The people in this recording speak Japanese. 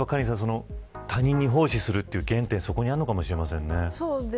他人に奉仕する原点そこにあるのかもしれません。